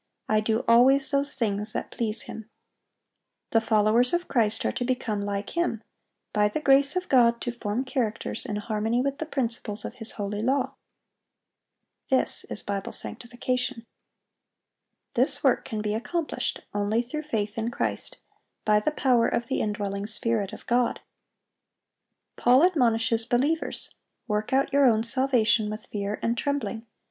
"I do always those things that please Him."(798) The followers of Christ are to become like Him,—by the grace of God to form characters in harmony with the principles of His holy law. This is Bible sanctification. This work can be accomplished only through faith in Christ, by the power of the indwelling Spirit of God. Paul admonishes believers, "Work out your own salvation with fear and trembling.